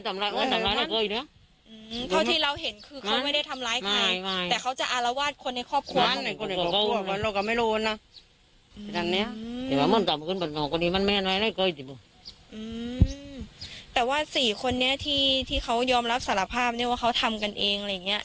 แต่ว่า๔คนนี้ที่เขายอมรับสารภาพเนี่ยว่าเขาทำกันเองอะไรอย่างนี้